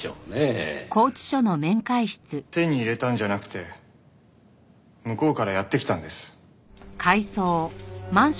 手に入れたんじゃなくて向こうからやって来たんです。